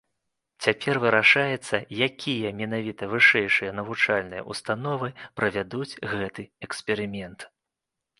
Цяпер вырашаецца, якія менавіта вышэйшыя навучальныя ўстановы правядуць гэты эксперымент.